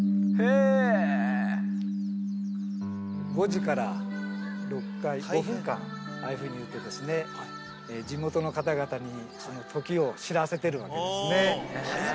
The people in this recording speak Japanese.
５時から６回、５分間、ああいうふうに打ってですね、地元の方々に時を知らせてるわけですね。